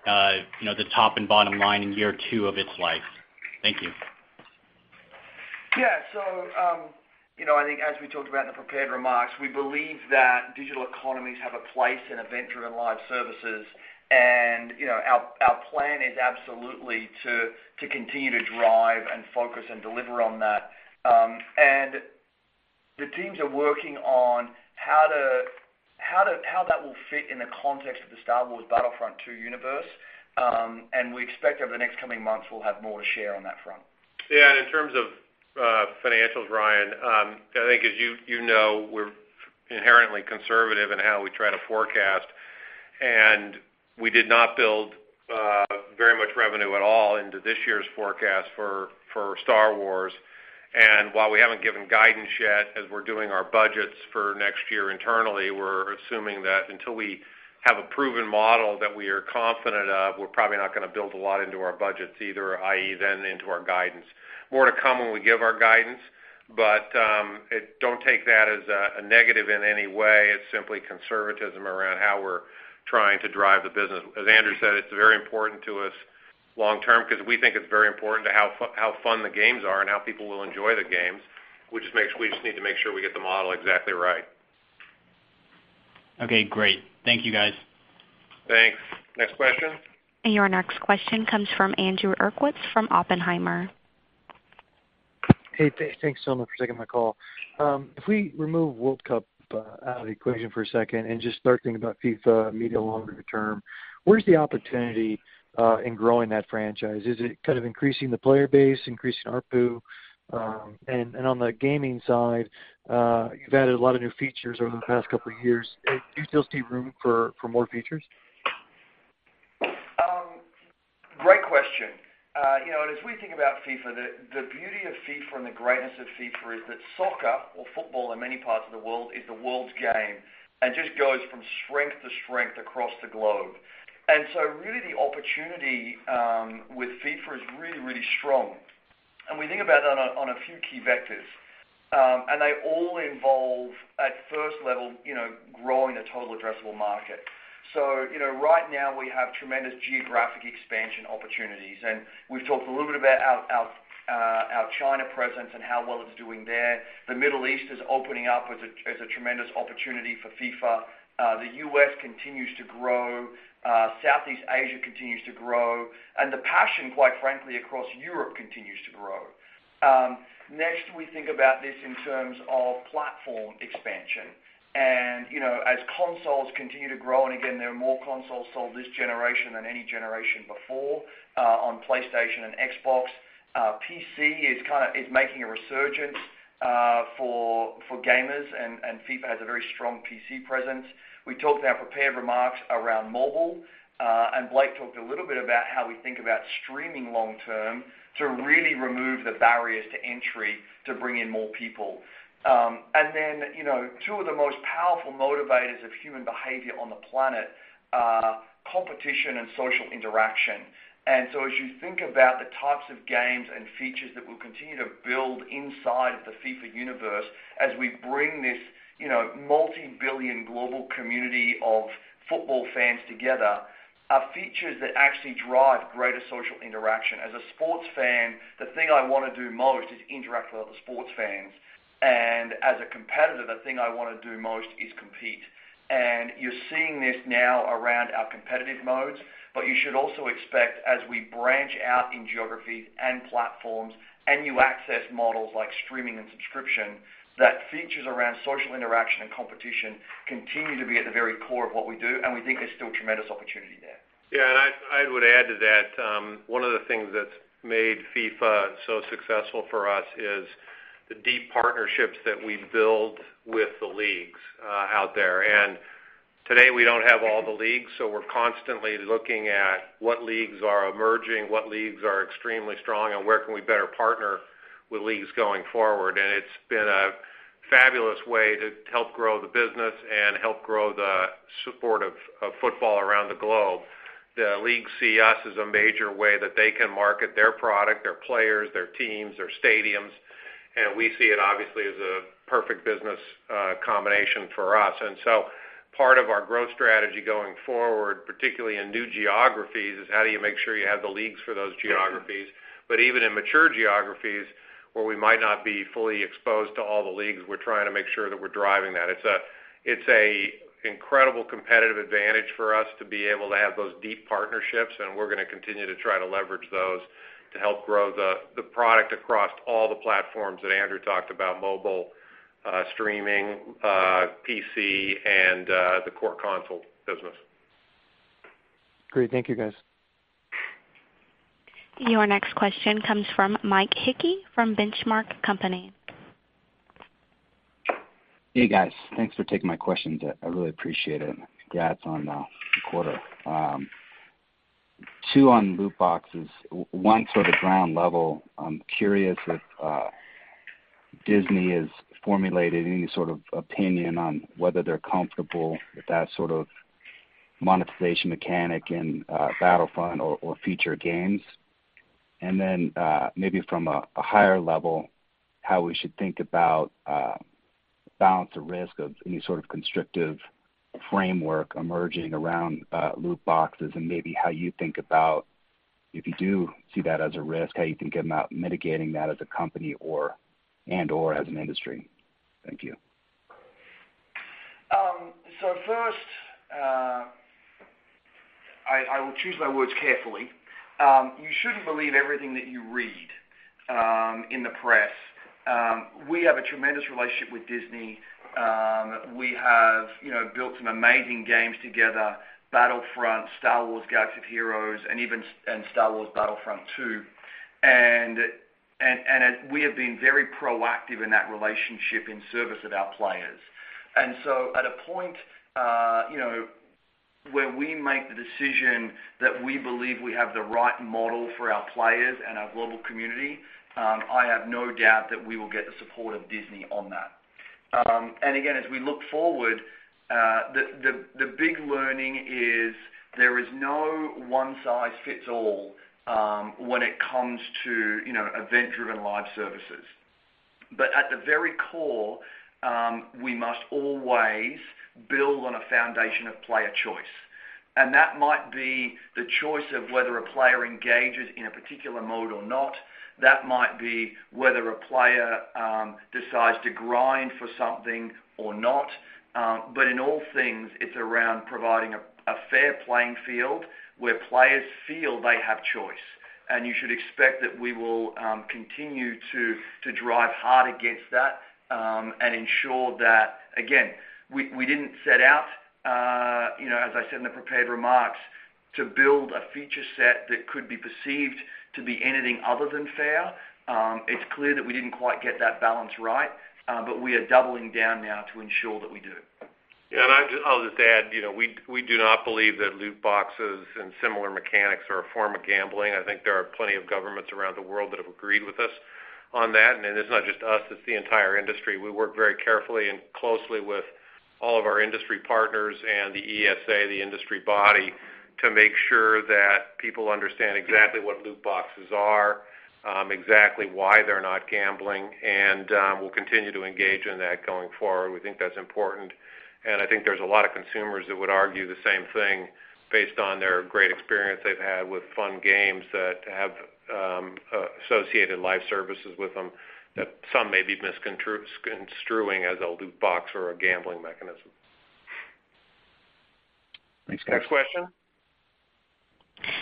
Speaker 11: the top and bottom line in year two of its life. Thank you.
Speaker 3: I think as we talked about in the prepared remarks, we believe that digital economies have a place in adventure and live services. Our plan is absolutely to continue to drive and focus and deliver on that. The teams are working on how that will fit in the context of the Star Wars Battlefront II universe. We expect over the next coming months, we'll have more to share on that front.
Speaker 4: In terms of financials, Ryan, I think as you know, we're inherently conservative in how we try to forecast, and we did not build very much revenue at all into this year's forecast for Star Wars. While we haven't given guidance yet, as we're doing our budgets for next year internally, we're assuming that until we have a proven model that we are confident of, we're probably not going to build a lot into our budgets either, i.e., then into our guidance. More to come when we give our guidance, don't take that as a negative in any way. It's simply conservatism around how we're trying to drive the business. As Andrew said, it's very important to us long term because we think it's very important to how fun the games are and how people will enjoy the games. We just need to make sure we get the model exactly right.
Speaker 11: Great. Thank you, guys.
Speaker 4: Thanks. Next question.
Speaker 1: Your next question comes from Andrew Uerkwitz from Oppenheimer.
Speaker 12: Hey. Thanks so much for taking my call. If we remove World Cup out of the equation for a second and just start thinking about FIFA media longer term, where's the opportunity in growing that franchise? Is it kind of increasing the player base, increasing ARPU? On the gaming side, you've added a lot of new features over the past couple of years. Do you still see room for more features?
Speaker 3: Great question. As we think about FIFA, the beauty of FIFA and the greatness of FIFA is that soccer, or football in many parts of the world, is the world's game and just goes from strength to strength across the globe. Really the opportunity with FIFA is really, really strong. We think about that on a few key vectors. They all involve at first level, growing the total addressable market. Right now we have tremendous geographic expansion opportunities, and we've talked a little bit about our China presence and how well it's doing there. The Middle East is opening up as a tremendous opportunity for FIFA. The U.S. continues to grow. Southeast Asia continues to grow, and the passion, quite frankly, across Europe continues to grow. Next, we think about this in terms of platform expansion. As consoles continue to grow, again, there are more consoles sold this generation than any generation before on PlayStation and Xbox. PC is making a resurgence for gamers and FIFA has a very strong PC presence. We talked in our prepared remarks around mobile. Blake talked a little bit about how we think about streaming long term to really remove the barriers to entry to bring in more people. Then, two of the most powerful motivators of human behavior on the planet are competition and social interaction. As you think about the types of games and features that we'll continue to build inside of the FIFA universe, as we bring this multi-billion global community of football fans together, are features that actually drive greater social interaction. As a sports fan, the thing I want to do most is interact with other sports fans. As a competitor, the thing I want to do most is compete. You're seeing this now around our competitive modes, but you should also expect as we branch out in geographies and platforms and new access models like streaming and subscription, that features around social interaction and competition continue to be at the very core of what we do, and we think there's still tremendous opportunity there.
Speaker 4: Yeah, I would add to that. One of the things that's made FIFA so successful for us is the deep partnerships that we build with the leagues out there. Today we don't have all the leagues, so we're constantly looking at what leagues are emerging, what leagues are extremely strong, and where can we better partner with leagues going forward. It's been a fabulous way to help grow the business and help grow the support of football around the globe. The leagues see us as a major way that they can market their product, their players, their teams, their stadiums, and we see it obviously as a perfect business combination for us. Part of our growth strategy going forward, particularly in new geographies, is how do you make sure you have the leagues for those geographies? Even in mature geographies where we might not be fully exposed to all the leagues, we're trying to make sure that we're driving that. It's a incredible competitive advantage for us to be able to have those deep partnerships, and we're going to continue to try to leverage those to help grow the product across all the platforms that Andrew talked about, mobile, streaming, PC, and the core console business.
Speaker 12: Great. Thank you, guys.
Speaker 1: Your next question comes from Mike Hickey from The Benchmark Company.
Speaker 13: Hey, guys. Thanks for taking my questions. I really appreciate it. Congrats on the quarter. Two on loot boxes. One sort of ground level. I'm curious if Disney has formulated any sort of opinion on whether they're comfortable with that sort of monetization mechanic in Battlefront or future games And then maybe from a higher level, how we should think about balance or risk of any sort of constrictive framework emerging around loot boxes and maybe how you think about, if you do see that as a risk, how you think about mitigating that as a company and/or as an industry. Thank you.
Speaker 3: First, I will choose my words carefully. You shouldn't believe everything that you read in the press. We have a tremendous relationship with Disney. We have built some amazing games together, Battlefront, Star Wars: Galaxy of Heroes, and Star Wars Battlefront II. We have been very proactive in that relationship in service of our players. So at a point where we make the decision that we believe we have the right model for our players and our global community, I have no doubt that we will get the support of Disney on that. Again, as we look forward, the big learning is there is no one-size-fits-all when it comes to event-driven live services. At the very core, we must always build on a foundation of player choice. That might be the choice of whether a player engages in a particular mode or not. That might be whether a player decides to grind for something or not. In all things, it's around providing a fair playing field where players feel they have choice. You should expect that we will continue to drive hard against that and ensure that, again, we didn't set out, as I said in the prepared remarks, to build a feature set that could be perceived to be anything other than fair. It's clear that we didn't quite get that balance right. We are doubling down now to ensure that we do.
Speaker 4: I'll just add, we do not believe that loot boxes and similar mechanics are a form of gambling. I think there are plenty of governments around the world that have agreed with us on that. It's not just us, it's the entire industry. We work very carefully and closely with all of our industry partners and the ESA, the industry body, to make sure that people understand exactly what loot boxes are, exactly why they're not gambling, and we'll continue to engage in that going forward. We think that's important, and I think there's a lot of consumers that would argue the same thing based on their great experience they've had with fun games that have associated live services with them that some may be misconstruing as a loot box or a gambling mechanism.
Speaker 13: Thanks, guys.
Speaker 4: Next question.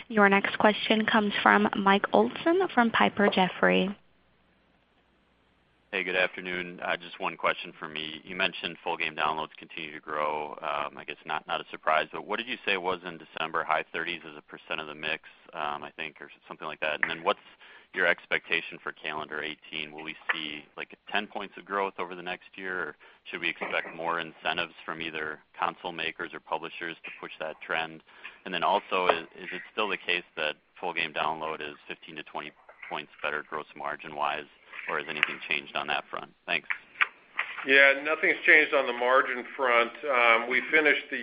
Speaker 1: Your next question comes from Mike Olson from Piper Jaffray.
Speaker 14: Hey, good afternoon. Just one question from me. You mentioned full game downloads continue to grow. I guess not a surprise. What did you say it was in December? High 30s as a % of the mix, I think, or something like that. What's your expectation for calendar 2018? Will we see 10 points of growth over the next year, or should we expect more incentives from either console makers or publishers to push that trend? Is it still the case that full game download is 15-20 points better gross margin-wise, or has anything changed on that front? Thanks.
Speaker 4: Nothing's changed on the margin front. We finished the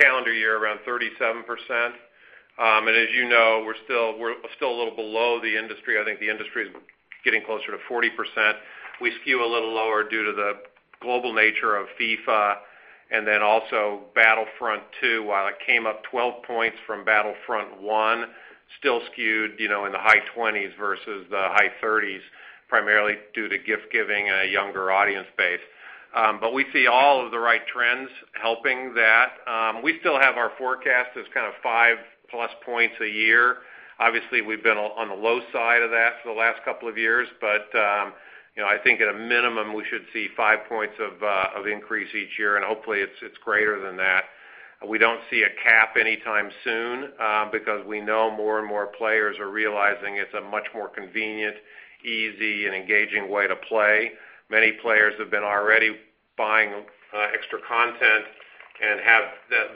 Speaker 4: calendar year around 37%. As you know, we're still a little below the industry. I think the industry is getting closer to 40%. We skew a little lower due to the global nature of FIFA and then also Battlefront 2. While it came up 12 points from Battlefront 1, still skewed in the high 20s versus the high 30s, primarily due to gift-giving and a younger audience base. We see all of the right trends helping that. We still have our forecast as kind of five-plus points a year. Obviously, we've been on the low side of that for the last couple of years. I think at a minimum, we should see five points of increase each year, and hopefully it's greater than that. We don't see a cap anytime soon because we know more and more players are realizing it's a much more convenient, easy, and engaging way to play. Many players have been already buying extra content and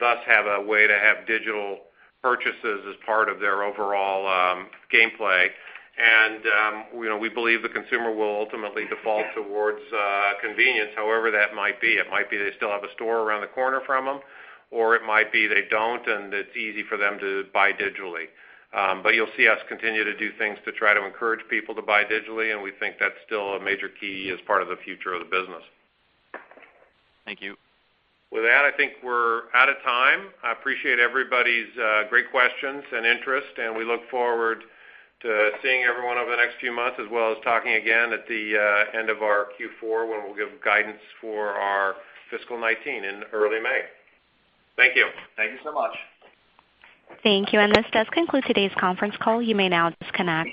Speaker 4: thus have a way to have digital purchases as part of their overall gameplay. We believe the consumer will ultimately default towards convenience, however that might be. It might be they still have a store around the corner from them, or it might be they don't and it's easy for them to buy digitally. You'll see us continue to do things to try to encourage people to buy digitally, and we think that's still a major key as part of the future of the business.
Speaker 14: Thank you.
Speaker 4: With that, I think we're out of time. I appreciate everybody's great questions and interest, and we look forward to seeing everyone over the next few months as well as talking again at the end of our Q4 when we'll give guidance for our fiscal 2019 in early May. Thank you.
Speaker 3: Thank you so much.
Speaker 1: Thank you. This does conclude today's conference call. You may now disconnect.